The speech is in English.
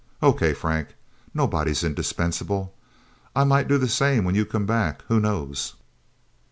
"Okay, Frank. Nobody's indispensible. I might do the same when you come back who knows...?"